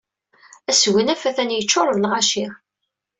Asegnaf atan yeččuṛ d lɣaci.